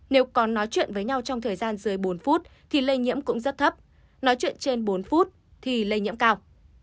nếu còn nói chuyện với nhau trong thời gian dưới bốn phút thì lây nhiễm cũng rất thấp nói chuyện trên bốn phút thì lây nhiễm cao